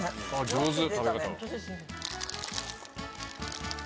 上手食べ方。